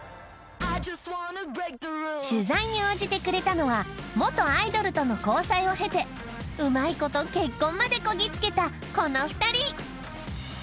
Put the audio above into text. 取材に応じてくれたのは元アイドルとの交際を経てうまい事結婚までこぎ着けたこの２人！